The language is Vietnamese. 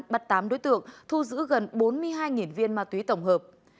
bắt tám đối tượng thu giữ gần bốn mươi hai viên ma túy tổng hợp